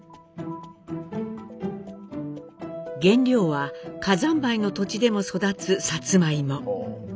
原料は火山灰の土地でも育つさつまいも。